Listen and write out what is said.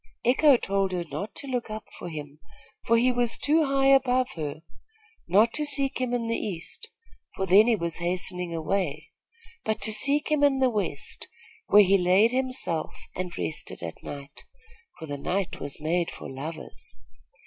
Echo told her not to look up for him, for he was too high above her, not to seek him in the east, for then he was hastening away; but to seek him in the west, where he laid himself and rested at night, for the night was made for lovers.